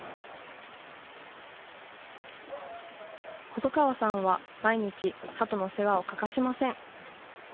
細川さんは毎日、ハトの世話を欠かしません。